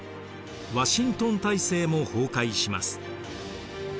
ワシントン体制も崩壊します。